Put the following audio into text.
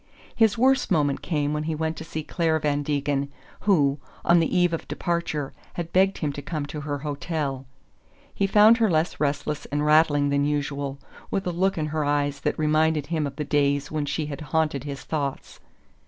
His worst moment came when he went to see Clare Van Degen, who, on the eve of departure, had begged him to come to her hotel. He found her less restless and rattling than usual, with a look in her eyes that reminded him of the days when she had haunted his thoughts.